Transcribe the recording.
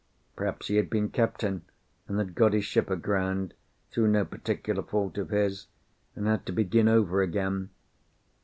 Perhaps he had been captain, and had got his ship aground, through no particular fault of his, and had to begin over again.